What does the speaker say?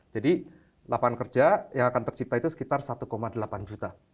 jadi delapan kerja yang akan tercipta itu sekitar satu delapan juta